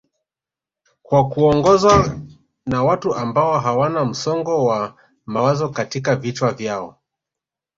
kwa kuongozwa na watu ambao hawana msongo wa mawazo katika vichwa vyao